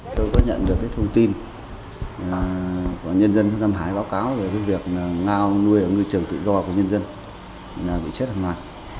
tôi có nhận được cái thông tin của nhân dân thương nam hải báo cáo về cái việc ngao nuôi ở ngư trường tự do của nhân dân bị chết ở ngoài